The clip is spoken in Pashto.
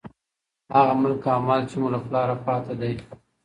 هغه ملک او مال، چې مو له پلاره پاتې دى.